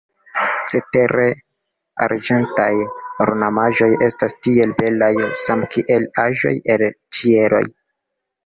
Cetere arĝentaj ornamaĵoj estas tiel belaj, same kiel aĵoj el la ĉielo.